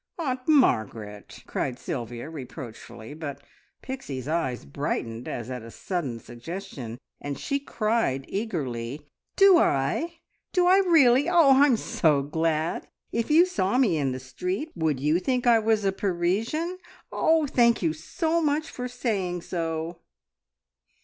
"Aunt Margaret!" cried Sylvia reproachfully, but Pixie's eyes brightened as at a sudden suggestion, and she cried eagerly "Do I? Do I really? Oh, I'm so glad! If you saw me in the street, would you think I was a Parisian? Oh, thank you so much for saying so!"